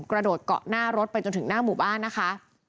กระโดดเกาะหน้ารถไปจนถึงหน้าหมู่บ้านนะคะ